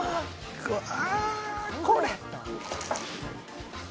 うわ！